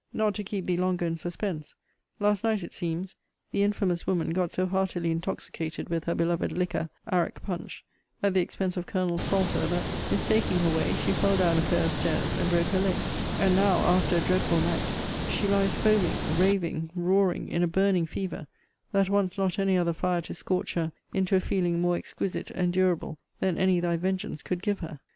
Not to keep thee longer in suspense; last night, it seems, the infamous woman got so heartily intoxicated with her beloved liquor, arrack punch, at the expense of Colonel Salter, that, mistaking her way, she fell down a pair of stairs, and broke her leg: and now, after a dreadful night, she lies foaming, raving, roaring, in a burning fever, that wants not any other fire to scorch her into a feeling more exquisite and durable than any thy vengeance could give her.